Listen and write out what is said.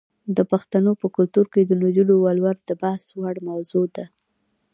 د پښتنو په کلتور کې د نجونو ولور د بحث وړ موضوع ده.